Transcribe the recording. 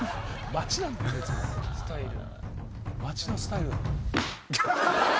待ちのスタイル。